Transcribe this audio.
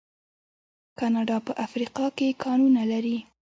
کاناډا په افریقا کې کانونه لري.